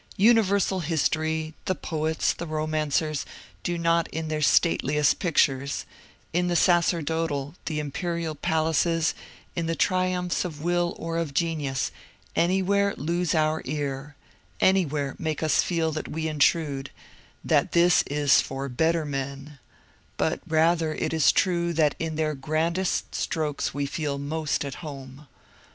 Universal history, the poets, the romancers, do not in their stateliest pictures — in the sacerdotal, the imperial palaces, in the triumphs of will or of genius — any where lose our ear, anywhere make us feel that we intrude, that this is for better men ; but rather is it true, that in their grandest strokes we feel most at home.